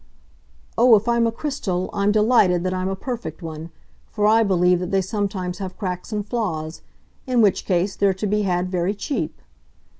"Oh, if I'm a crystal I'm delighted that I'm a perfect one, for I believe that they sometimes have cracks and flaws in which case they're to be had very cheap!"